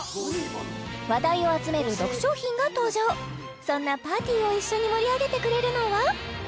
話題を集める６商品が登場そんなパーティーを一緒に盛り上げてくれるのは？